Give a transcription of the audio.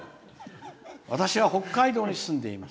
「私は北海道に住んでいます。